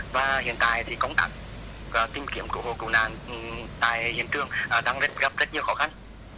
và hiện tại thì công tác tìm kiếm cứu hộ cứu nạn tại hiện trường đang gặp rất nhiều khó khăn